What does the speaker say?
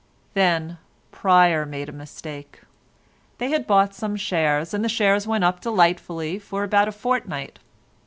Then Pryer made a mistake. They had bought some shares, and the shares went up delightfully for about a fortnight.